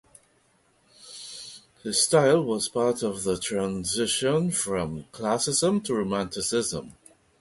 His style was part of the transition from Classicism to Romanticism.